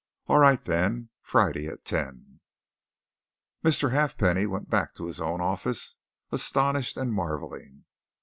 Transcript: All right, then Friday at ten." Mr. Halfpenny went back to his own office, astonished and marvelling.